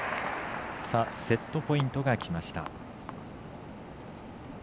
セットポイントがきました。